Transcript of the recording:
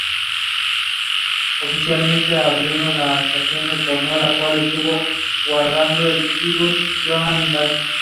El área estaba en manos de los combatientes polacos pertenecientes a la "Armia Krajowa".